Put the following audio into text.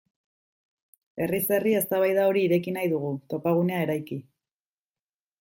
Herriz herri eztabaida hori ireki nahi dugu, topagunea eraiki.